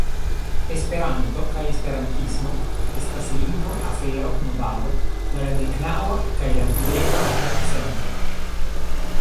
Esperanto kaj esperantismo estas lingvo, afero, movado de la deknaŭa kaj la dudeka jarcentoj.